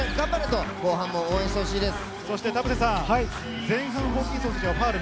と後半も応援してほしいです。